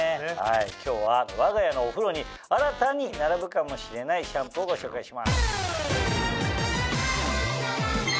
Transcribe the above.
今日はわが家のお風呂に新たに並ぶかもしれないシャンプーをご紹介します。